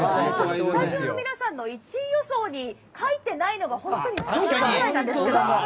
スタジオの皆さんの１位予想に書いてないのが信じられないぐらいですが。